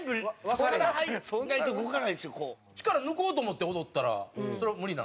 力抜こうと思って踊ったらそれは無理なの？